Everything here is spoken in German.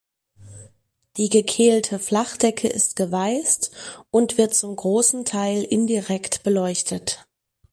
Die gekehlte Flachdecke ist geweißt und wird zum großen Teil indirekt beleuchtet.